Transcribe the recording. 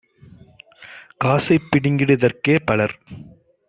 காசைப் பிடுங்கிடு தற்கே - பலர்